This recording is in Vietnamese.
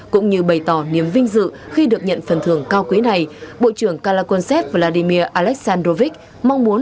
cũng như bày tỏ niềm vinh dự khi được nhận phần thưởng cao quý này bộ trưởng kalakonsep vladimir aleksandrovich mong muốn